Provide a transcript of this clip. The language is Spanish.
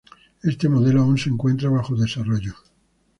Este modelo aún se encuentra bajo desarrollo.